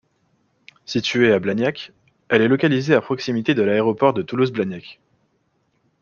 Située à Blagnac, elle est localisée à proximité de l'aéroport de Toulouse-Blagnac.